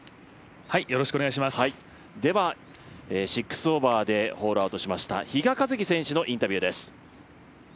では、６オーバーでホールアウトしました比嘉一貴選手のインタビューです。